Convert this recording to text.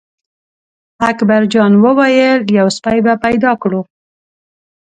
اکبر جان وویل: یو سپی به پیدا کړو.